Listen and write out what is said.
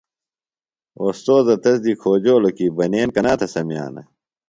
اوستوذہ تس دی کھوجولوۡ کی بنین کنا تھےۡ سمِیانہ ؟